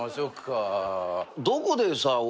どこでさ